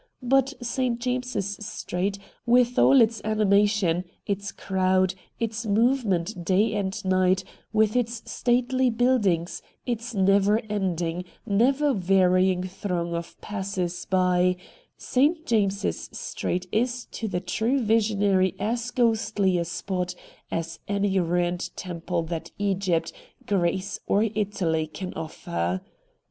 But St. James's Street, with all its animation, its crowd, its movement day and night, with its stately buildings, its never ending, ever vary ing throng of passers by — St. James's Street is to the true visionary as ghostly a spot as any ruined temple that Egypt, Greece, or Italy can offer.